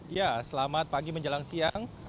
ya selamat pagi menjelang siang